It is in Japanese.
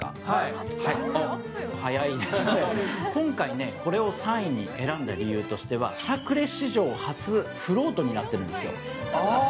今回、これを３位に選んだ理由としては、サクレ史上初フロートになってるんですよ。